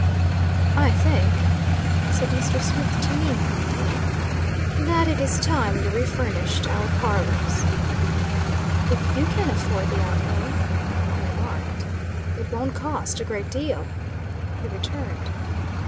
"I think," said Mr. Smith to me, one day, "that it is time we re furnished our parlors." "If you can afford the outlay," I remarked. "It won't cost a great deal," he returned.